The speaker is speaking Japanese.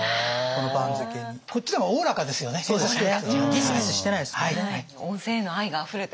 ギスギスしてないですもんね。